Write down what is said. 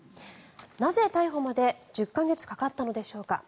なぜ、逮捕まで１０か月かかったのでしょうか。